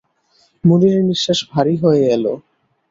মুনিরের নিঃশ্বাস ভারি হয়ে এল।